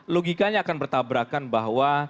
logikanya akan bertabrakan bahwa